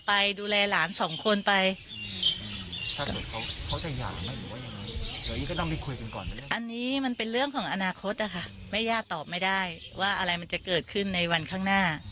ไปดูแลหลานสองคนไปเมื่อก่อนได้ก็นำไปคุยกันก่อนอันนี้มันเป็น